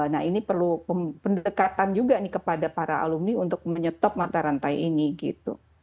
nah ini perlu pendekatan juga nih kepada para alumni untuk menyetop mata rantai ini gitu